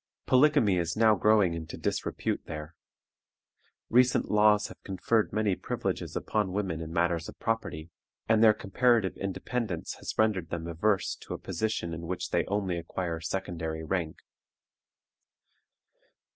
Polygamy is now growing into disrepute there. Recent laws have conferred many privileges upon women in matters of property, and their comparative independence has rendered them averse to a position in which they only acquire secondary rank.